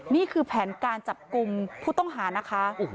นี่คือแผนการจับกลุ่มผู้ต้องหานะคะ